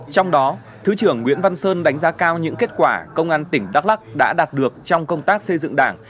trong đó thứ trưởng nguyễn văn sơn đánh giá cao những kết quả công an tỉnh đắk lắc đã đạt được trong công tác xây dựng đảng